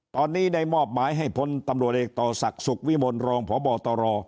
ตอนนี้ได้มอบหมายให้พลตำรวจเอกต่อศักดิ์สุขวิมลรองพบตร